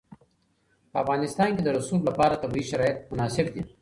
په افغانستان کې د رسوب لپاره طبیعي شرایط مناسب دي.